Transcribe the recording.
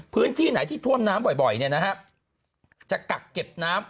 พื้นที่ไหนที่ท่วมน้ำบ่อยเนี่ยนะฮะจะกักเก็บน้ำ